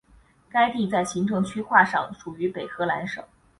该地在行政区划上属于北荷兰省。